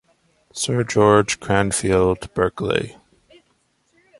Sir George Cranfield-Berkeley.